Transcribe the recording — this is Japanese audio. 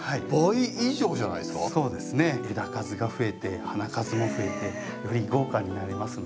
枝数が増えて花数も増えてより豪華になりますので。